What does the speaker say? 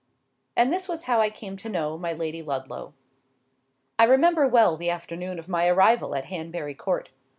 And this was how I came to know my Lady Ludlow. I remember well the afternoon of my arrival at Hanbury Court.